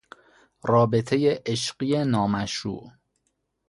رابطهی عشقی نامشروع